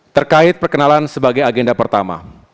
terkait perkenalan sebagai agenda pertama